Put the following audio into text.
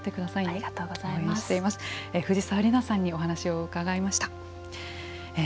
藤沢里菜さんにお話を伺いました。